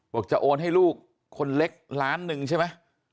จะโอนให้ลูกคนเล็กล้านหนึ่งใช่ไหม